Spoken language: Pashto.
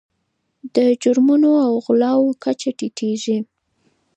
د جرمونو او غلاو کچه ټیټیږي.